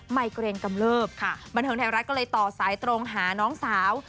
ไยเกรนกำเลิบค่ะบันเทิงไทยรัฐก็เลยต่อสายตรงหาน้องสาว